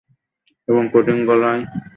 এবং কঠিন গলায় বললাম, হাত ছাড়ুন।